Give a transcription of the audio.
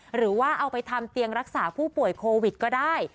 หรือว่าเอาไปทำเตียงรักษาผู้ป่วยโควิดก็ได้